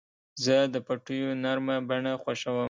زه د پټیو نرمه بڼه خوښوم.